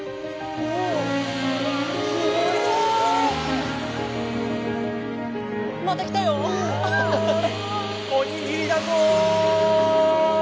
おいおにぎりだぞ！